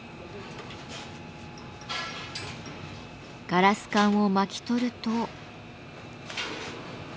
ガラス管を巻き取ると。